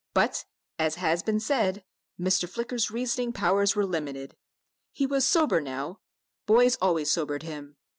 But, as has been said, Mr. Flicker's reasoning powers were limited. He was sober now boys always sobered him.